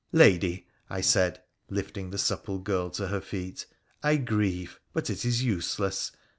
' Lady,' I said, lifting the supple girl to her feet, ' I grieve, but it is useless.